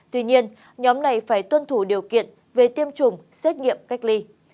tuy nhiên nhóm này phải tuân thủ điều kiện về tiêm chủng xét nghiệm cách ly